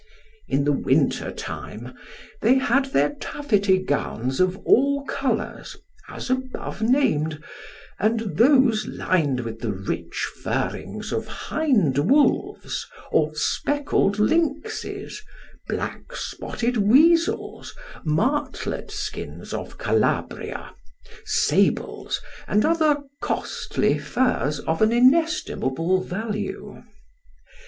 In the winter time they had their taffety gowns of all colours, as above named, and those lined with the rich furrings of hind wolves, or speckled lynxes, black spotted weasels, martlet skins of Calabria, sables, and other costly furs of an inestimable value.